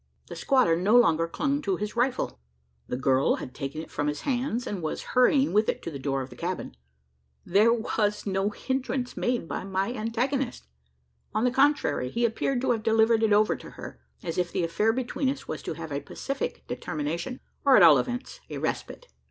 The squatter no longer clung to his rifle. The girl had taken it from his hands; and was hurrying with it into the door of the cabin. There was no hindrance made by my antagonist! On the contrary, he appeared to have delivered it over to her as if the affair between us was to have a pacific termination, or, at all events, a respite.